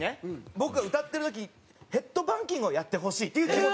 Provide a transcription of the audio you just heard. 僕が歌ってる時ヘッドバンギングをやってほしいっていう気持ちは。